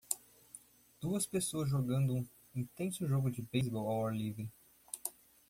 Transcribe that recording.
Duas pessoas jogando um intenso jogo de beisebol ao ar livre.